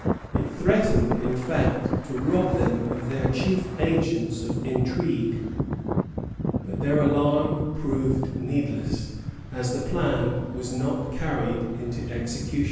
It threatened, in fact, to rob them of their chief agents of intrigue; but their alarm proved needless, as the plan was not carried into execution.